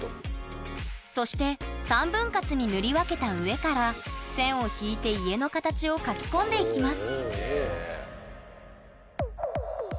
そして３分割に塗り分けた上から線を引いて家の形を描き込んでいきます